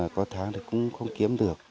có tháng thì cũng không kiếm được